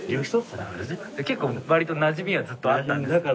結構割となじみはずっとあったんですか？